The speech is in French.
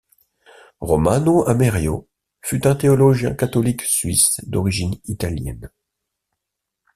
Romano Amerio fut un théologien catholique suisse d'origine italienne.